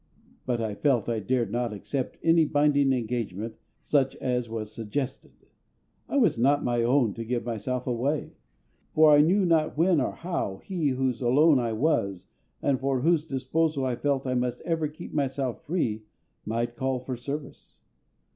But I felt I dared not accept any binding engagement such as was suggested. I was not my own to give myself away; for I knew not when or how He whose alone I was, and for whose disposal I felt I must ever keep myself free, might call for service.